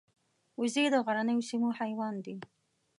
وزې د غرنیو سیمو حیوان دي